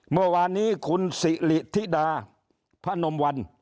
เมื่อวานนี้คุณสิริธิดาพนมวัน